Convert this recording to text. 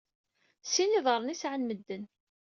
Sin n yiḍaṛṛen i sɛan yemdanen.